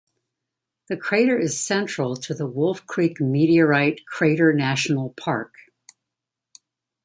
The crater is central to the Wolfe Creek Meteorite Crater National Park.